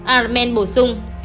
arben bổ sung